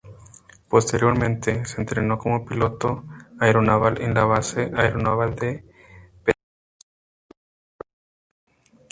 Posteriormente, se entrenó como piloto aeronaval en la Base aeronaval de Pensacola, Florida.